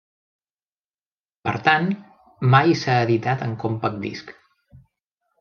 Per tant, mai s'ha editat en compact disc.